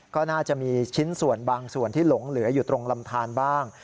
ก็น่าจะมีชิ้นส่วนบางส่วนที่หลงเหลืออยู่ตรงลำทานบ้าง